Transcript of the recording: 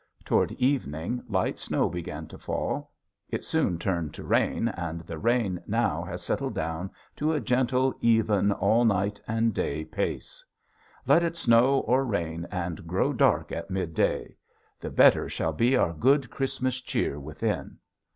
Toward evening light snow began to fall. It soon turned to rain and the rain now has settled down to a gentle, even, all night and day pace. Let it snow or rain and grow dark at midday! The better shall be our good Christmas cheer within.